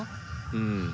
うん。